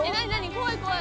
怖い怖い。